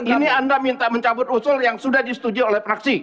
ini anda minta mencabut usul yang sudah disetujui oleh praksi